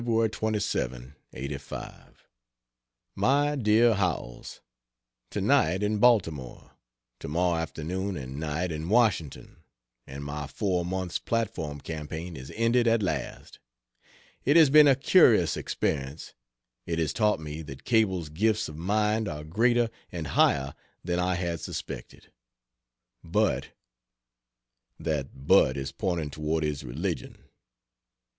27, '85. MY DEAR HOWELLS, To night in Baltimore, to morrow afternoon and night in Washington, and my four months platform campaign is ended at last. It has been a curious experience. It has taught me that Cable's gifts of mind are greater and higher than I had suspected. But That "But" is pointing toward his religion.